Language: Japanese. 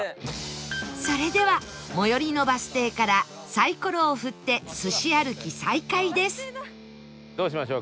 それでは最寄りのバス停からサイコロを振ってすし歩き再開です